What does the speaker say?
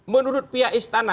menurut pihak istana